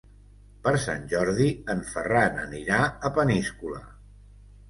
Per Sant Jordi en Ferran anirà a Peníscola.